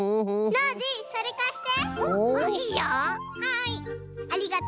ノージーそれかして！